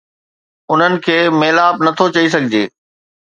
انهن کي فلاپ نٿو چئي سگهجي.